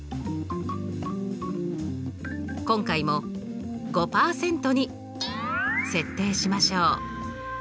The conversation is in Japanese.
今回も５％に設定しましょう。